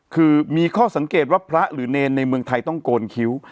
คือมีข้อสังเกตว่าพระหรือเนรในเมืองไทยต้องโกนคิ้ว